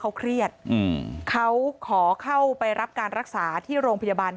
เขาเครียดอืมเขาขอเข้าไปรับการรักษาที่โรงพยาบาล